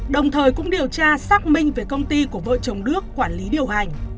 đồng thời cũng điều tra xác minh về công ty của vợ chồng đức quản lý điều hành